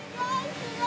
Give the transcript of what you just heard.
すごい！